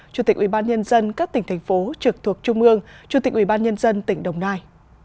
chủ tịch ubnd các tỉnh thành phố trực thuộc trung ương chủ tịch ubnd tỉnh đồng nai